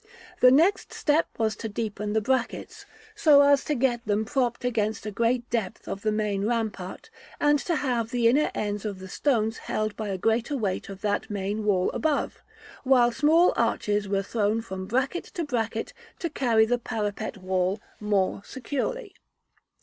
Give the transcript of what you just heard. The next step was to deepen the brackets, so as to get them propped against a great depth of the main rampart, and to have the inner ends of the stones held by a greater weight of that main wall above; while small arches were thrown from bracket to bracket to carry the parapet wall more securely.